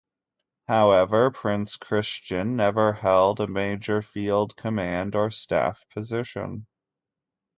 However, Prince Christian never held a major field command or staff position.